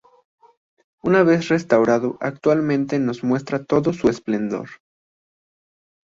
Una vez restaurado actualmente nos muestra todo su esplendor.